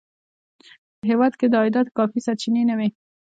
په هېواد کې د عایداتو کافي سرچینې نه وې.